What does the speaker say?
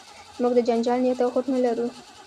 موږ د جنجال نیت او هوډ نه لرو.